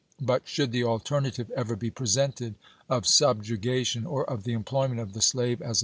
But should the alternative ever be presented i'lJ'^.I'lP^; ^ of subjugation or of the employment of the slave as a p.